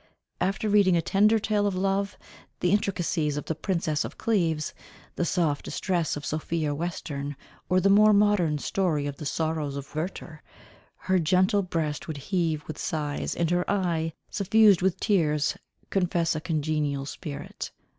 After reading a tender tale of love, the intricacies of the Princess of Cleves, the soft distress of Sophia Western, or the more modern story of the Sorrows of Werter, her gentle breast would heave with sighs, and her eye, suffused with tears, confess a congenial spirit.